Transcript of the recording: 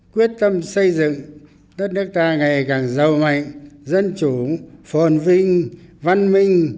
quyết tâm xây dựng đất nước ta ngày càng giàu mạnh dân chủ phồn vinh văn minh